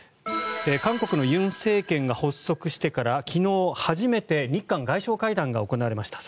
韓国の尹政権が発足してから昨日初めて日韓外相会談が行われました。